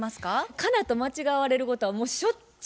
佳奈と間違われることはもうしょっちゅうです。